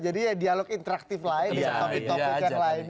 jadi ya dialog interaktif lain